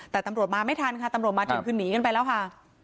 แต่ตำรวจมาไม่ทันค่ะตำรวจมาถึงคือหนีกันไปแล้วค่ะ